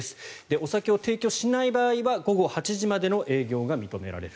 お酒を提供しない場合は午後８時までの営業が認められる。